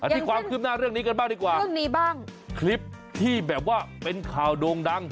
ที่ความคืบหน้าเรื่องนี้กันบ้างดีกว่าเรื่องนี้บ้างคลิปที่แบบว่าเป็นข่าวโด่งดัง